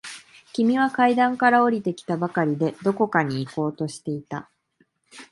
君は階段から下りてきたばかりで、どこかに行こうとしていた。